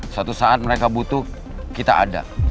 suatu saat mereka butuh kita ada